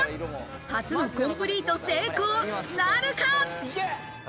初のコンプリート成功なるか？